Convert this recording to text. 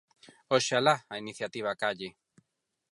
Oxalá a iniciativa calle.